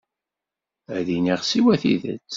Ad d-iniɣ siwa tidet.